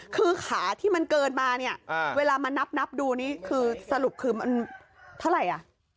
คือขาที่มันเกินมาเวลามานับดูสรุปคือเท่าไหร่